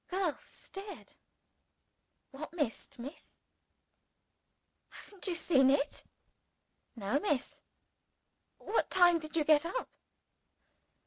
The girl stared, "What mist, Miss?" "Haven't you seen it?" "No, Miss." "What time did you get up?"